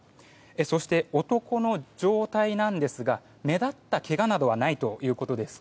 そして男の状態なんですが目立ったけがなどはないということです。